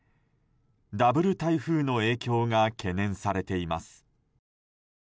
ダブル台風の影響が懸念されています。